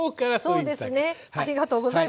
そうですねありがとうございます。